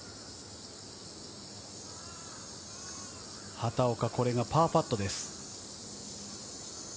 畑岡はこれがパーパットです。